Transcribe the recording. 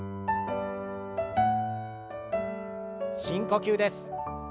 深呼吸です。